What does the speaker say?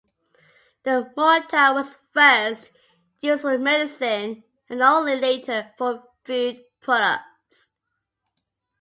The mortar was first used for medicine, and only later for food products.